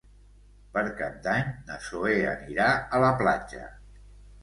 Per Cap d'Any na Zoè anirà a la platja.